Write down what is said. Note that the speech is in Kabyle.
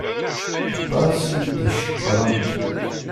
Aṭas iyi-d-icekkren.